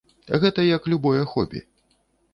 Гэта як любое хобі.